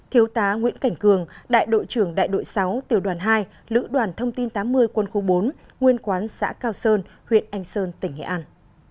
tám thiếu tá nguyễn cảnh cường đại đội trưởng đại đội sáu tiểu đoàn hai lữ đoàn thông tin tám mươi quân khu bốn nguyên quán xã cao sơn huyện anh sơn tỉnh nghệ an